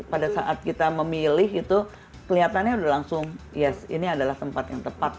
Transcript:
pada saat kita memilih itu kelihatannya udah langsung ya ini adalah tempat yang tepat